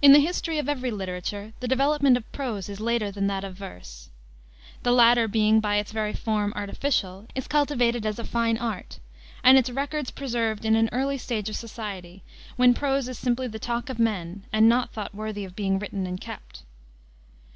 In the history of every literature the development of prose is later than that of verse. The latter being, by its very form, artificial, is cultivated as a fine art, and its records preserved in an early stage of society, when prose is simply the talk of men, and not thought worthy of being written and kept.